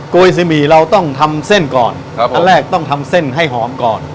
ยซิหมี่เราต้องทำเส้นก่อนครับอันแรกต้องทำเส้นให้หอมก่อน